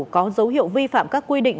có dấu hiệu vi phạm các quy định